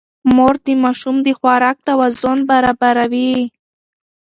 مور د ماشوم د خوراک توازن برابروي.